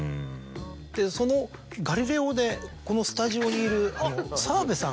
その『ガリレオ』でこのスタジオにいる澤部さんが。